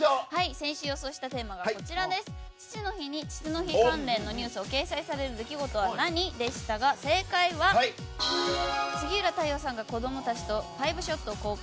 先週予想したテーマが父の日に父の日関連で掲載される出来事は何？でしたが正解は杉浦太陽さんが子供たちと５ショットを公開。